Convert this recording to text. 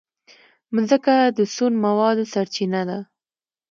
مځکه د سون موادو سرچینه ده.